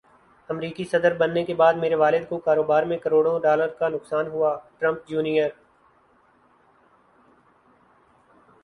امریکی صدربننے کےبعد میرے والد کوکاروبار میں کروڑوں ڈالر کا نقصان ہوا ٹرمپ جونیئر